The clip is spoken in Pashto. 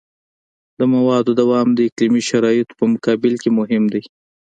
د موادو دوام د اقلیمي شرایطو په مقابل کې مهم دی